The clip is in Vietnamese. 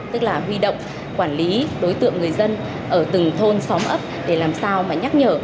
tức là huy động quản lý đối tượng người dân ở từng thôn xóm ấp để làm sao mà nhắc nhở